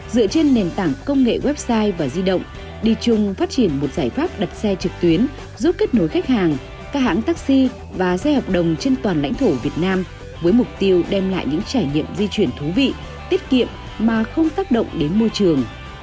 dựa trên nền tảng công nghệ website và di động đi chung phát triển một giải pháp đặt xe trực tuyến giúp kết nối khách hàng các hãng taxi và xe hợp đồng trên toàn lãnh thổ việt nam với mục tiêu đem lại những trải nghiệm di chuyển thú vị tiết kiệm mà không tác động đến môi trường